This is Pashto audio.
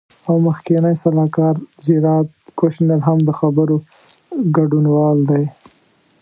او مخکینی سلاکار جیراد کوشنر هم د خبرو ګډونوال دی.